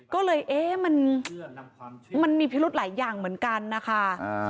ก็เลยเอ๊ะมันมีพิรุธหลายอย่างเหมือนกันนะคะ